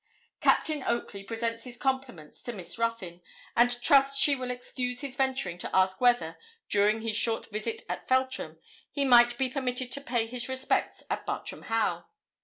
'Captain Oakley presents his compliments to Miss Ruthyn, and trusts she will excuse his venturing to ask whether, during his short stay in Feltram, he might be permitted to pay his respects at Bartram Haugh.